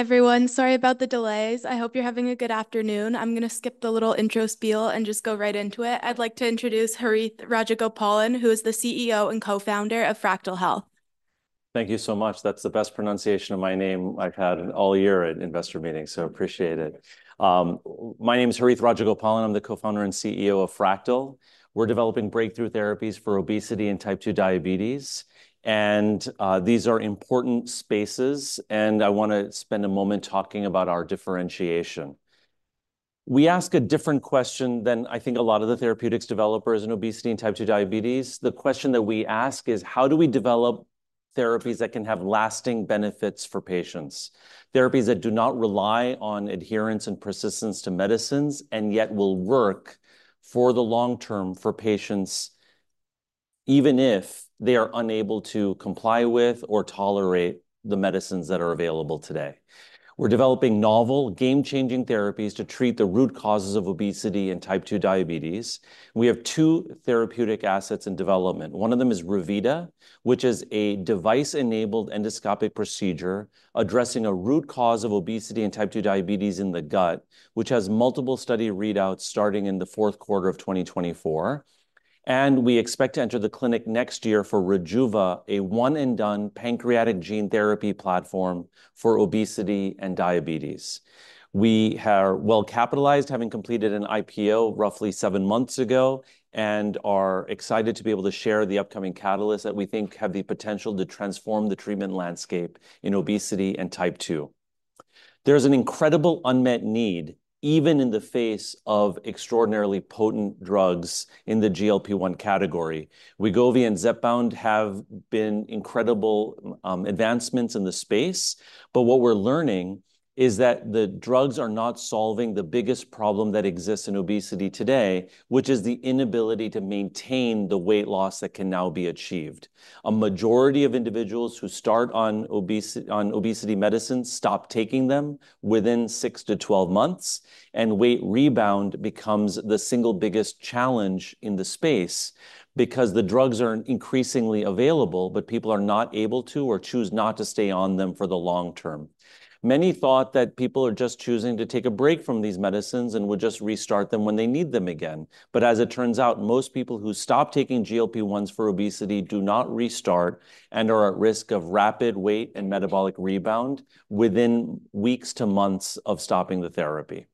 Hi, everyone. Sorry about the delays. I hope you're having a good afternoon. I'm gonna skip the little intro spiel and just go right into it. I'd like to introduce Harith Rajagopalan, who is the CEO and co-founder of Fractyl Health. Thank you so much. That's the best pronunciation of my name I've had all year at investor meetings, so appreciate it. My name is Harith Rajagopalan. I'm the co-founder and CEO of Fractyl. We're developing breakthrough therapies for obesity and type two diabetes, and these are important spaces, and I wanna spend a moment talking about our differentiation. We ask a different question than I think a lot of the therapeutics developers in obesity and type two diabetes. The question that we ask is: how do we develop therapies that can have lasting benefits for patients? Therapies that do not rely on adherence and persistence to medicines, and yet will work for the long term for patients, even if they are unable to comply with or tolerate the medicines that are available today. We're developing novel, game-changing therapies to treat the root causes of obesity and type 2 diabetes. We have two therapeutic assets in development. One of them is Revita, which is a device-enabled endoscopic procedure addressing a root cause of obesity and type 2 diabetes in the gut, which has multiple study readouts starting in the fourth quarter of twenty twenty-four. And we expect to enter the clinic next year for Rejuva, a one-and-done pancreatic gene therapy platform for obesity and diabetes. We are well-capitalized, having completed an IPO roughly seven months ago, and are excited to be able to share the upcoming catalysts that we think have the potential to transform the treatment landscape in obesity and type 2. There's an incredible unmet need, even in the face of extraordinarily potent drugs in the GLP-1 category. Wegovy and Zepbound have been incredible advancements in the space, but what we're learning is that the drugs are not solving the biggest problem that exists in obesity today, which is the inability to maintain the weight loss that can now be achieved. A majority of individuals who start on obesity medicines stop taking them within six to 12 months, and weight rebound becomes the single biggest challenge in the space because the drugs are increasingly available, but people are not able to or choose not to stay on them for the long term. Many thought that people are just choosing to take a break from these medicines and would just restart them when they need them again. But as it turns out, most people who stop taking GLP-1s for obesity do not restart and are at risk of rapid weight and metabolic rebound within weeks to months of stopping the therapy.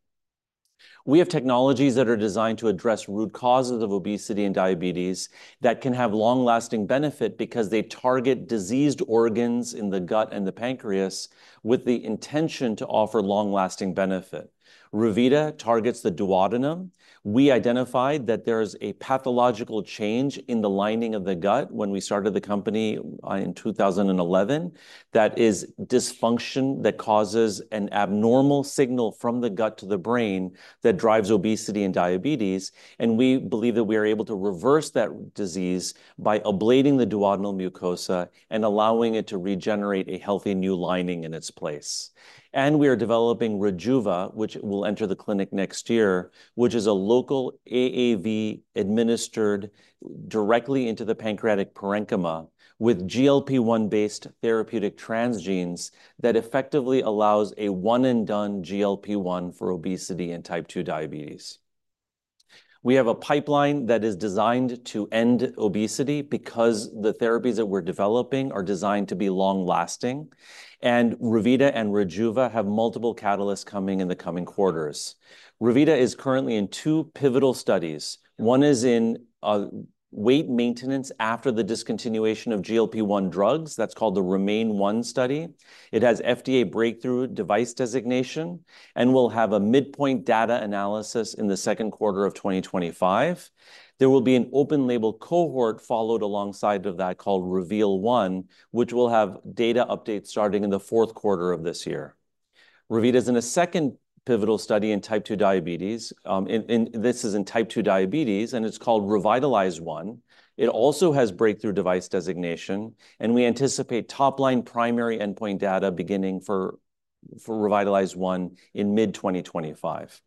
We have technologies that are designed to address root causes of obesity and diabetes that can have long-lasting benefit because they target diseased organs in the gut and the pancreas with the intention to offer long-lasting benefit. Revita targets the duodenum. We identified that there's a pathological change in the lining of the gut when we started the company, in two thousand and eleven, that is dysfunction that causes an abnormal signal from the gut to the brain that drives obesity and diabetes. And we believe that we are able to reverse that disease by ablating the duodenal mucosa and allowing it to regenerate a healthy new lining in its place. We are developing Rejuva, which will enter the clinic next year, which is a local AAV administered directly into the pancreatic parenchyma with GLP-1-based therapeutic transgenes that effectively allows a one-and-done GLP-1 for obesity and type two diabetes. We have a pipeline that is designed to end obesity because the therapies that we're developing are designed to be long-lasting, and Revita and Rejuva have multiple catalysts coming in the coming quarters. Revita is currently in two pivotal studies. One is in weight maintenance after the discontinuation of GLP-1 drugs. That's called the Remain-1 study. It has FDA Breakthrough Device Designation and will have a midpoint data analysis in the second quarter of 2025. There will be an open-label cohort followed alongside of that, called Reveal-1, which will have data updates starting in the fourth quarter of this year. Revita is in a second pivotal study in type 2 diabetes and this is in type 2 diabetes, and it's called Revitalize-1. It also has breakthrough device designation, and we anticipate top-line primary endpoint data beginning for Revitalize-1 in mid-2025.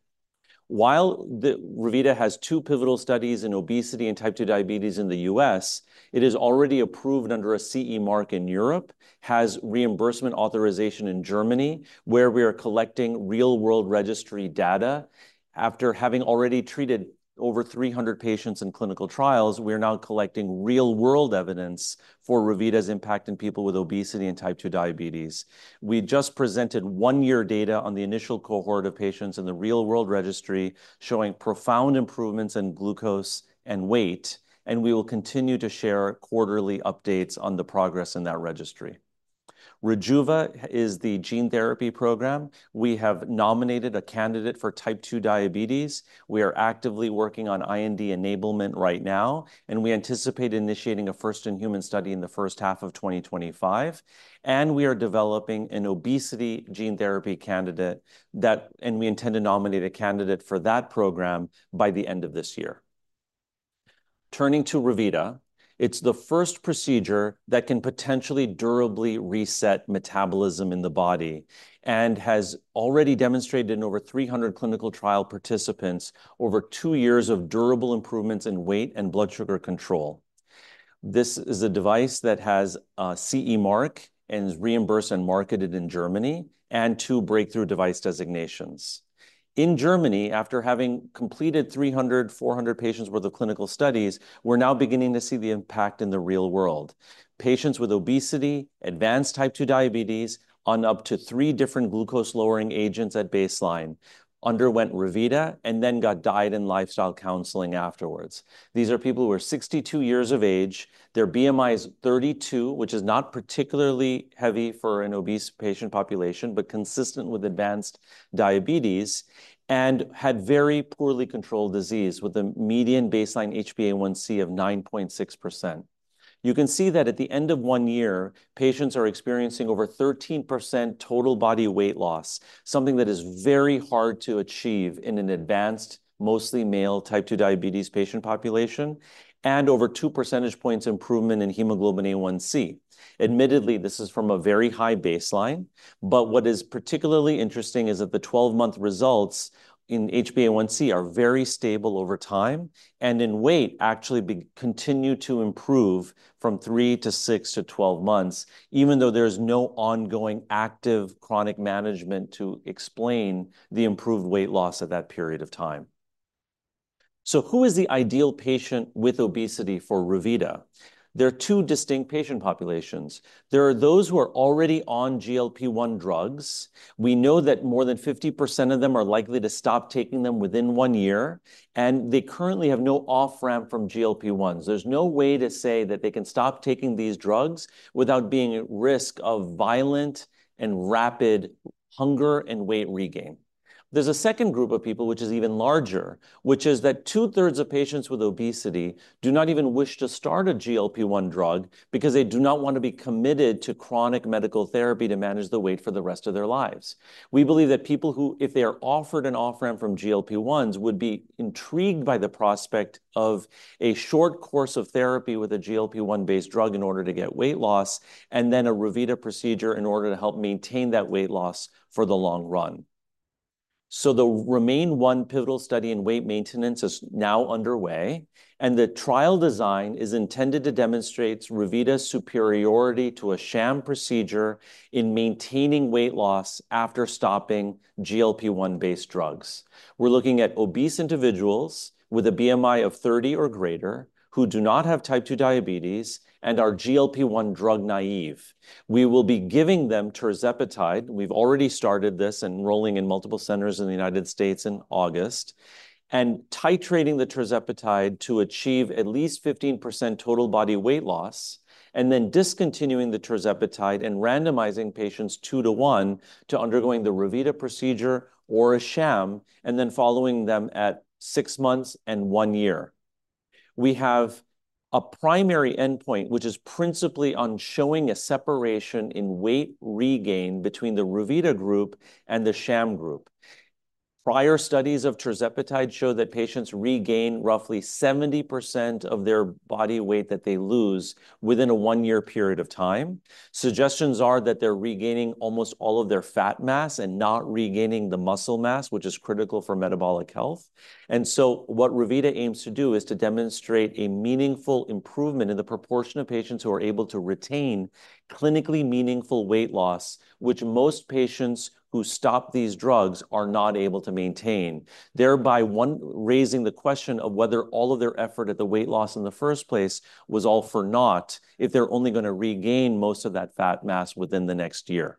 While the Revita has two pivotal studies in obesity and type 2 diabetes in the U.S., it is already approved under a CE mark in Europe, has reimbursement authorization in Germany, where we are collecting real-world registry data. After having already treated over 300 patients in clinical trials, we are now collecting real-world evidence for Revita's impact in people with obesity and type 2 diabetes. We just presented one-year data on the initial cohort of patients in the real-world registry, showing profound improvements in glucose and weight, and we will continue to share quarterly updates on the progress in that registry. Rejuva is the gene therapy program. We have nominated a candidate for type 2 diabetes. We are actively working on IND enablement right now, and we anticipate initiating a first-in-human study in the first half of 2025, and we are developing an obesity gene therapy candidate that and we intend to nominate a candidate for that program by the end of this year. Turning to Revita, it's the first procedure that can potentially durably reset metabolism in the body and has already demonstrated in over 300 clinical trial participants over two years of durable improvements in weight and blood sugar control. This is a device that has a CE mark and is reimbursed and marketed in Germany, and two breakthrough device designations. In Germany, after having completed 300-400 patients worth of clinical studies, we're now beginning to see the impact in the real world. Patients with obesity, advanced type 2 diabetes, on up to three different glucose-lowering agents at baseline, underwent Revita and then got diet and lifestyle counseling afterwards. These are people who are 62 years of age. Their BMI is 32, which is not particularly heavy for an obese patient population, but consistent with advanced diabetes, and had very poorly controlled disease, with a median baseline HbA1c of 9.6%. You can see that at the end of 1 year, patients are experiencing over 13% total body weight loss, something that is very hard to achieve in an advanced, mostly male, type 2 diabetes patient population, and over two percentage points improvement in hemoglobin A1c. Admittedly, this is from a very high baseline, but what is particularly interesting is that the twelve-month results in HbA1c are very stable over time, and in weight, actually continue to improve from three to six to twelve months, even though there's no ongoing active chronic management to explain the improved weight loss at that period of time. So who is the ideal patient with obesity for Revita? There are two distinct patient populations. There are those who are already on GLP-1 drugs. We know that more than 50% of them are likely to stop taking them within one year, and they currently have no off-ramp from GLP-1s. There's no way to say that they can stop taking these drugs without being at risk of violent and rapid hunger and weight regain. There's a second group of people, which is even larger, which is that two-thirds of patients with obesity do not even wish to start a GLP-1 drug because they do not want to be committed to chronic medical therapy to manage the weight for the rest of their lives. We believe that people who, if they are offered an off-ramp from GLP-1s, would be intrigued by the prospect of a short course of therapy with a GLP-1-based drug in order to get weight loss, and then a Revita procedure in order to help maintain that weight loss for the long run. So the Remain-1 pivotal study in weight maintenance is now underway, and the trial design is intended to demonstrate Revita's superiority to a sham procedure in maintaining weight loss after stopping GLP-1-based drugs. We're looking at obese individuals with a BMI of 30 or greater, who do not have type 2 diabetes and are GLP-1 drug naive. We will be giving them tirzepatide. We've already started this, enrolling in multiple centers in the United States in August, and titrating the tirzepatide to achieve at least 15% total body weight loss, and then discontinuing the tirzepatide and randomizing patients two to one to undergoing the Revita procedure or a sham, and then following them at six months and one year. We have a primary endpoint, which is principally on showing a separation in weight regain between the Revita group and the sham group. Prior studies of tirzepatide show that patients regain roughly 70% of their body weight that they lose within a one-year period of time. Suggestions are that they're regaining almost all of their fat mass and not regaining the muscle mass, which is critical for metabolic health. And so what Revita aims to do is to demonstrate a meaningful improvement in the proportion of patients who are able to retain clinically meaningful weight loss, which most patients who stop these drugs are not able to maintain, thereby raising the question of whether all of their effort at the weight loss in the first place was all for naught if they're only gonna regain most of that fat mass within the next year.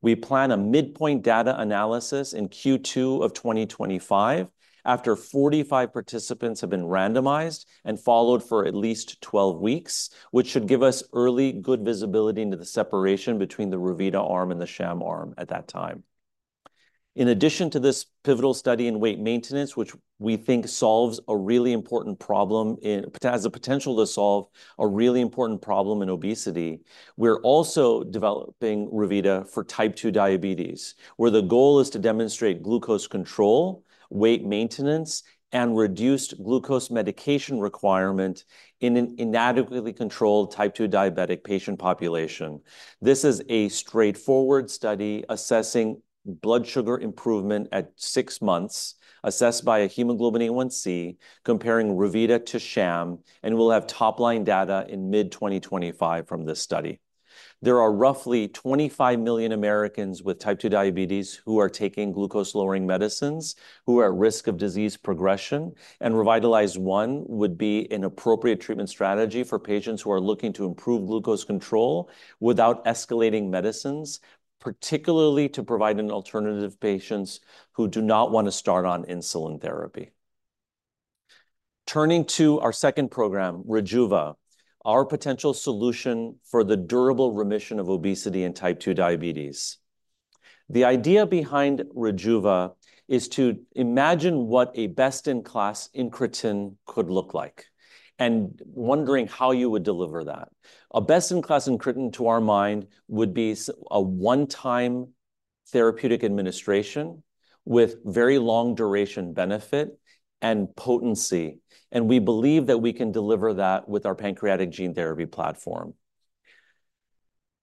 We plan a midpoint data analysis in Q2 of 2025, after 45 participants have been randomized and followed for at least 12 weeks, which should give us early good visibility into the separation between the Revita arm and the sham arm at that time. In addition to this pivotal study in weight maintenance, which we think has the potential to solve a really important problem in obesity, we're also developing Revita for type two diabetes, where the goal is to demonstrate glucose control, weight maintenance, and reduced glucose medication requirement in an inadequately controlled type two diabetic patient population. This is a straightforward study assessing blood sugar improvement at six months, assessed by a hemoglobin A1C, comparing Revita to sham, and we'll have top-line data in mid-2025 from this study. There are roughly twenty-five million Americans with type two diabetes who are taking glucose-lowering medicines, who are at risk of disease progression, and Revitalize-1 would be an appropriate treatment strategy for patients who are looking to improve glucose control without escalating medicines, particularly to provide an alternative to patients who do not want to start on insulin therapy. Turning to our second program, Rejuva, our potential solution for the durable remission of obesity and type two diabetes. The idea behind Rejuva is to imagine what a best-in-class incretin could look like and wondering how you would deliver that. A best-in-class incretin, to our mind, would be a one-time therapeutic administration with very long duration benefit and potency, and we believe that we can deliver that with our pancreatic gene therapy platform.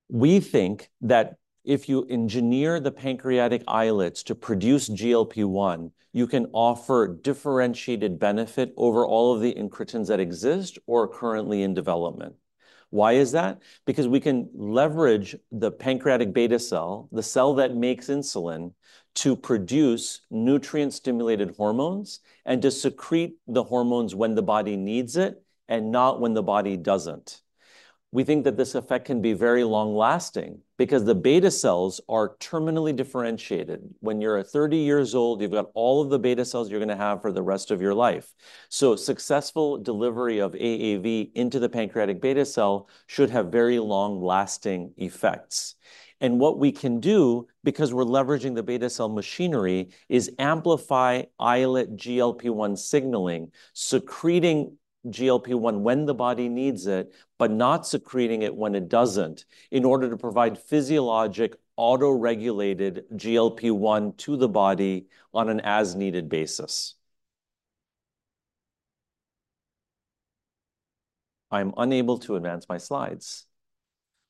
We think that if you engineer the pancreatic islets to produce GLP-1, you can offer differentiated benefit over all of the incretins that exist or are currently in development. Why is that? Because we can leverage the pancreatic beta cell, the cell that makes insulin, to produce nutrient-stimulated hormones and to secrete the hormones when the body needs it and not when the body doesn't. We think that this effect can be very long-lasting because the beta cells are terminally differentiated. When you're at thirty years old, you've got all of the beta cells you're gonna have for the rest of your life. So successful delivery of AAV into the pancreatic beta cell should have very long-lasting effects. What we can do, because we're leveraging the beta cell machinery, is amplify islet GLP-1 signaling, secreting GLP-1 when the body needs it, but not secreting it when it doesn't, in order to provide physiologic, autoregulated GLP-1 to the body on an as-needed basis. I'm unable to advance my slides.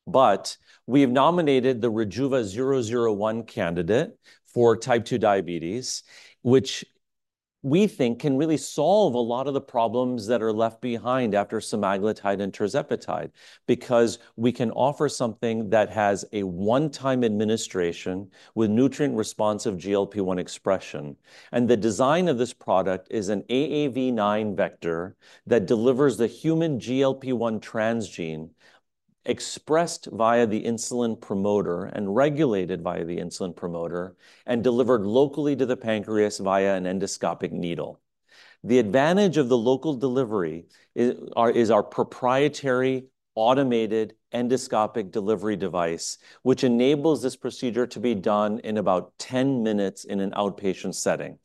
We have nominated the Rejuva-001 candidate for type 2 diabetes, which we think can really solve a lot of the problems that are left behind after semaglutide and tirzepatide, because we can offer something that has a one-time administration with nutrient-responsive GLP-1 expression. The design of this product is an AAV9 vector that delivers the human GLP-1 transgene, expressed via the insulin promoter and regulated via the insulin promoter, and delivered locally to the pancreas via an endoscopic needle. The advantage of the local delivery is our proprietary automated endoscopic delivery device, which enables this procedure to be done in about ten minutes in an outpatient setting.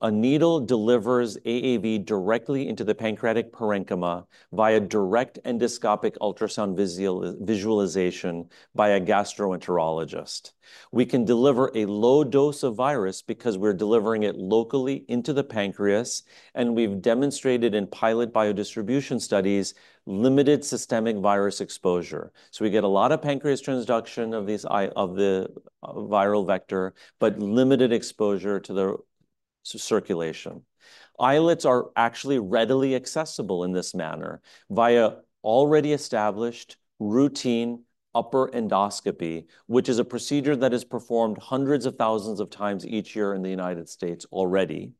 A needle delivers AAV directly into the pancreatic parenchyma via direct endoscopic ultrasound visualization by a gastroenterologist. We can deliver a low dose of virus because we're delivering it locally into the pancreas, and we've demonstrated in pilot biodistribution studies, limited systemic virus exposure. So we get a lot of pancreas transduction of these of the viral vector, but limited exposure to the circulation. Islets are actually readily accessible in this manner via already established routine upper endoscopy, which is a procedure that is performed hundreds of thousands of times each year in the United States already.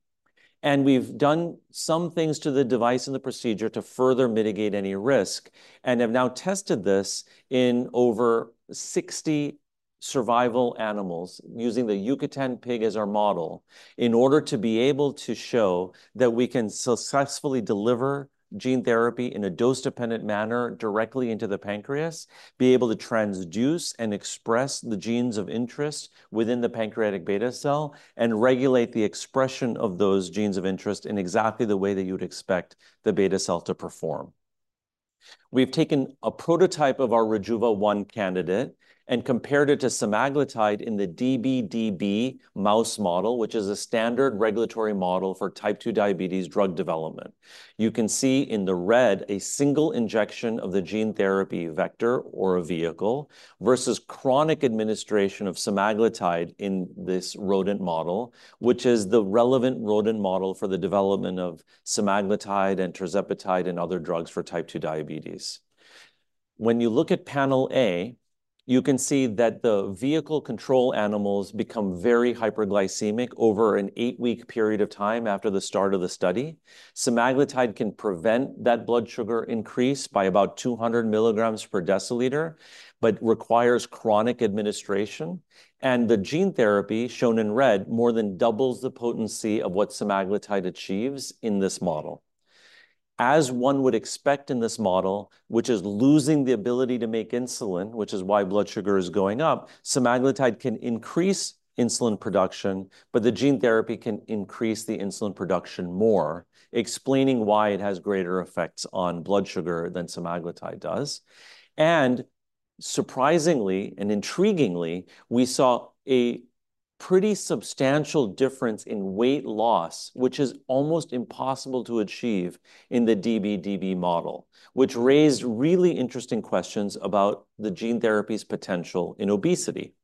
We’ve done some things to the device and the procedure to further mitigate any risk, and have now tested this in over 60 survival animals, using the Yucatan pig as our model, in order to be able to show that we can successfully deliver gene therapy in a dose-dependent manner directly into the pancreas, be able to transduce and express the genes of interest within the pancreatic beta cell, and regulate the expression of those genes of interest in exactly the way that you’d expect the beta cell to perform. We’ve taken a prototype of our Rejuva-1 candidate and compared it to semaglutide in the db/db mouse model, which is a standard regulatory model for type two diabetes drug development. You can see in the red a single injection of the gene therapy vector or a vehicle versus chronic administration of semaglutide in this rodent model, which is the relevant rodent model for the development of semaglutide and tirzepatide and other drugs for type 2 diabetes. When you look at panel A, you can see that the vehicle control animals become very hyperglycemic over an eight-week period of time after the start of the study. Semaglutide can prevent that blood sugar increase by about 200 milligrams per deciliter, but requires chronic administration, and the gene therapy, shown in red, more than doubles the potency of what semaglutide achieves in this model. As one would expect in this model, which is losing the ability to make insulin, which is why blood sugar is going up, semaglutide can increase insulin production, but the gene therapy can increase the insulin production more, explaining why it has greater effects on blood sugar than semaglutide does, and surprisingly and intriguingly, we saw a pretty substantial difference in weight loss, which is almost impossible to achieve in the db/db model, which raised really interesting questions about the gene therapy's potential in obesity,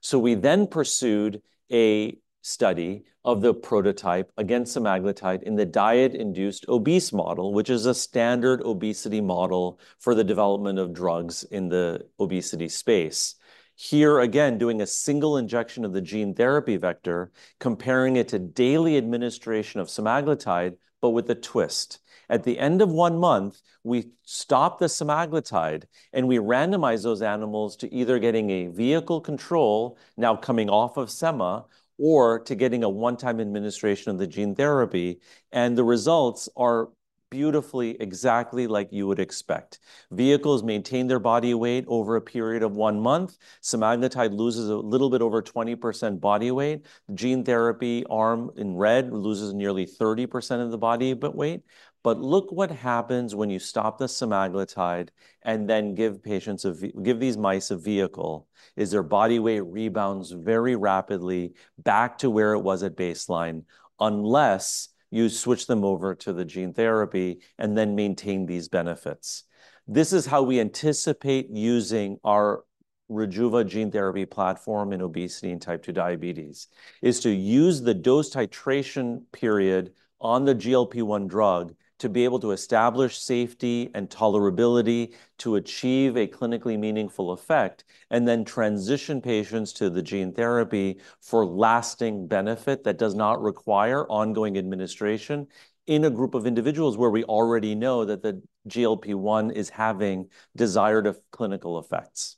so we then pursued a study of the prototype against semaglutide in the diet-induced obese model, which is a standard obesity model for the development of drugs in the obesity space. Here, again, doing a single injection of the gene therapy vector, comparing it to daily administration of semaglutide, but with a twist. At the end of one month, we stop the semaglutide, and we randomize those animals to either getting a vehicle control, now coming off of Sema, or to getting a one-time administration of the gene therapy, and the results are beautifully, exactly like you would expect. Vehicles maintain their body weight over a period of one month. Semaglutide loses a little bit over 20% body weight. Gene therapy arm, in red, loses nearly 30% of the body weight. But look what happens when you stop the semaglutide and then give these mice a vehicle, is their body weight rebounds very rapidly back to where it was at baseline, unless you switch them over to the gene therapy and then maintain these benefits. This is how we anticipate using our Rejuva gene therapy platform in obesity and type two diabetes, is to use the dose titration period on the GLP-1 drug to be able to establish safety and tolerability, to achieve a clinically meaningful effect, and then transition patients to the gene therapy for lasting benefit that does not require ongoing administration in a group of individuals where we already know that the GLP-1 is having desired clinical effects.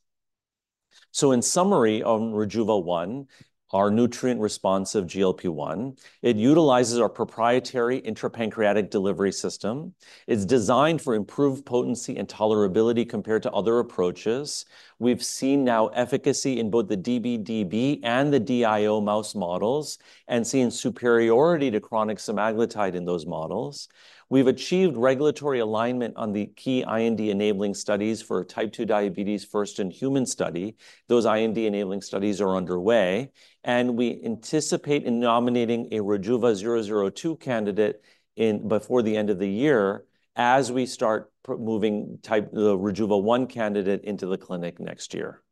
So in summary, on Rejuva-1, our nutrient-responsive GLP-1, it utilizes our proprietary intrapancreatic delivery system. It's designed for improved potency and tolerability compared to other approaches. We've seen now efficacy in both the DB/DB and the DIO mouse models, and seen superiority to chronic semaglutide in those models. We've achieved regulatory alignment on the key IND-enabling studies for type two diabetes, first in human study. Those IND-enabling studies are underway, and we anticipate in nominating a Rejuva-002 candidate in before the end of the year, as we start moving the Rejuva-1 candidate into the clinic next year.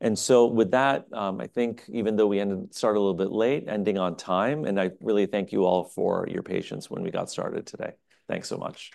And so with that, I think even though we started a little bit late, ending on time, and I really thank you all for your patience when we got started today. Thanks so much.